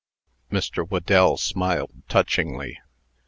Mr. Whedell smiled touchingly.